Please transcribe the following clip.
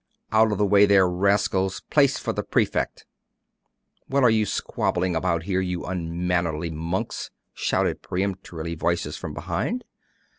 'Out of the way there, rascals! Place for the Prefect! What are you squabbling about here, you unmannerly monks?' shouted peremptory voices from behind.